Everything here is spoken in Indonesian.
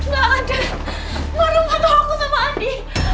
gak ada warung atau aku sama andi